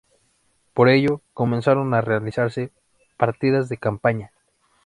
Por ello, comenzaron a realizarse "partidas de campaña".